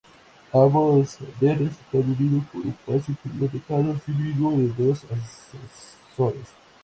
Ambos andenes están unidos por un paso inferior, dotado asimismo de dos ascensores.